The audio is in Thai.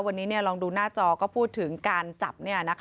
วันนี้ลองดูหน้าจอก็พูดถึงการจับ